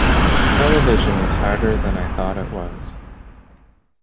Television is harder than I thought it was.